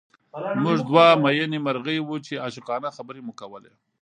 موږ دوه مئینې مرغۍ وو چې عاشقانه خبرې مو کولې